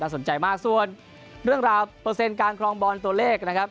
สนใจมากส่วนเรื่องราวเปอร์เซ็นต์การครองบอลตัวเลขนะครับ